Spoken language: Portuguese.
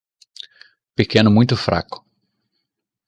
Pequeno muito fraco